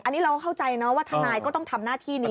อันนี้เราก็เข้าใจนะว่าทนายก็ต้องทำหน้าที่นี้